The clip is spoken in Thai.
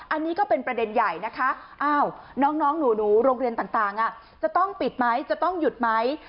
อันนี้ก็เป็นประเด็นใหญ่นะคะน้องหนูโรงเรียนต่างจะต้องปิดไหมจะต้องหยุดไหม